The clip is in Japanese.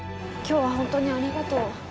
今日は本当にありがとう。